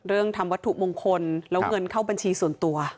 ทำวัตถุมงคลแล้วเงินเข้าบัญชีส่วนตัว